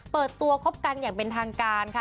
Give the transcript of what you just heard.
เปิดตัวคบกันอย่างเป็นทางการค่ะ